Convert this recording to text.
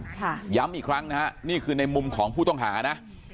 ย้ำอีกครั้งนะฮะนี่คือในมุมของผู้ต้องหานะ